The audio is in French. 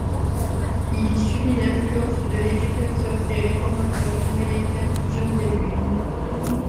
Il y subit l'influence de l'éducateur et réformateur américain John Dewey.